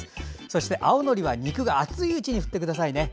そして、青のりは肉が熱いうちに振ってくださいね。